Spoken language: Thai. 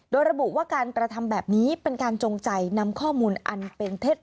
โดยระบุว่าการกระทำแบบนี้เป็นการจงใจนำข้อมูลอันเป็นเท็จ